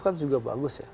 kan juga bagus ya